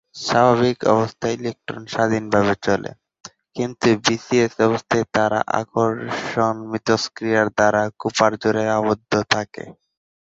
স্বাভাবিক অবস্থায় ইলেকট্রন স্বাধীনভাবে চলে, কিন্তু বিসিএস অবস্থায় তারা আকর্ষণ মিথস্ক্রিয়ার দ্বারা কুপার জোড়ায় আবদ্ধ থাকে।